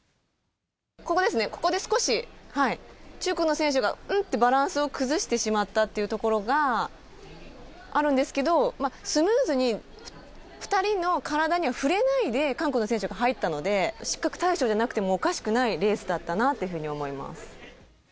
ここですね、ここで少し中国の選手が、うん？ってバランスを崩してしまったというところがあるんですけれども、スムーズに２人の体には触れないで韓国の選手が入ったので、失格対象じゃなくてもおかしくないレースだったなっていうふうに思い